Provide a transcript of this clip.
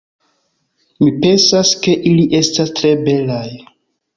Mi pensas, ke ili estas tre belaj